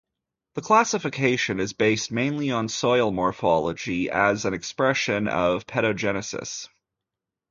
The classification is based mainly on soil morphology as an expression of pedogenesis.